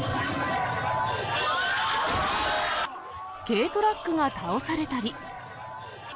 軽トラックが倒されたり。